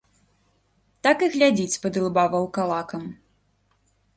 Так і глядзіць спадылба ваўкалакам.